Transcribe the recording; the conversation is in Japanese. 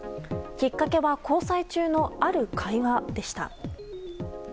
きっかけは交際中のある会話でした。